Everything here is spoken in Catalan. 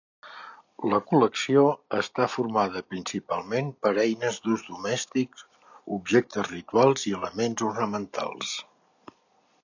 La col·lecció està formada principalment per eines d'ús domèstic, objectes rituals i elements ornamentals.